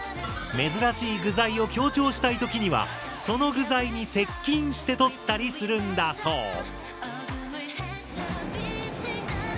珍しい具材を強調したい時にはその具材に接近して撮ったりするんだそう。